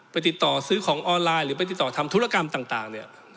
ติดต่อซื้อของออนไลน์หรือไปติดต่อทำธุรกรรมต่างเนี่ย